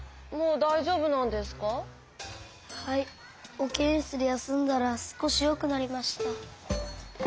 ほけんしつでやすんだらすこしよくなりました。